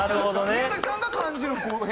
宮崎さんが感じる不公平。